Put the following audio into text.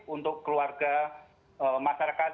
untuk keluarga masyarakat